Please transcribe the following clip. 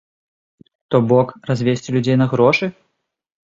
То бок, развесці людзей на грошы?